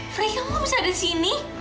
free kamu bisa di sini